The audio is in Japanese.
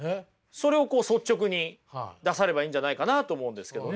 それをこう率直に出さればいいんじゃないかなと思うんですけどね。